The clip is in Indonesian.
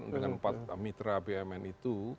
dengan empat mitra bumn itu